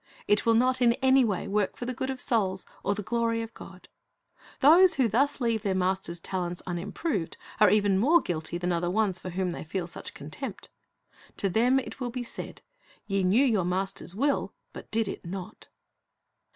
It will not in any way work for the good of souls or the glory of God. Those who thus leave their Master's talents unimproved, are even more guilty than are the ones for whom they feel such contempt. To them it will be said, Ve knew your Master's will, but did it not.